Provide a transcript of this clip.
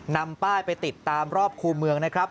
นำป้ายไปติดตามรอบคู่เมืองนะครับ